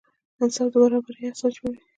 انصاف د برابري اساس جوړوي.